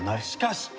しかし！